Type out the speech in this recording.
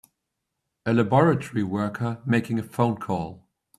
A laboratory worker making a phone call.